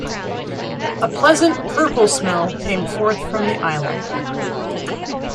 A pleasant "purple" smell came forth from the island.